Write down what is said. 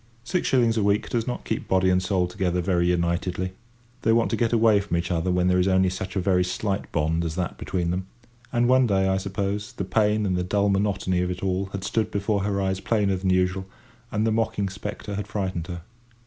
Six shillings a week does not keep body and soul together very unitedly. They want to get away from each other when there is only such a very slight bond as that between them; and one day, I suppose, the pain and the dull monotony of it all had stood before her eyes plainer than usual, and the mocking spectre had frightened her.